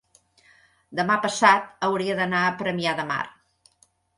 demà passat hauria d'anar a Premià de Mar.